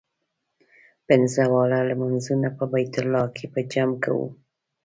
پنځه واړه لمونځونه په بیت الله کې په جمع کوو.